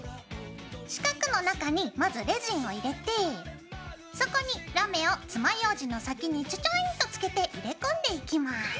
四角の中にまずレジンを入れてそこにラメを爪ようじの先にちょちょんとつけて入れ込んでいきます。